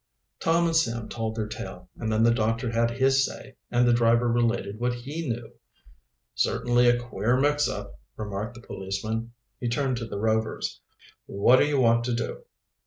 Tom and Sam told their tale, and then the doctor had his say, and the driver related what he knew. "Certainly a queer mix up," remarked the policeman. He turned to the Rovers. "What do you want to do?"